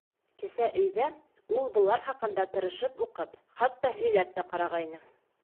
Кисә өйҙә ул, былар хаҡында тырышып уҡып, хатта һөйләп тә ҡарағайны.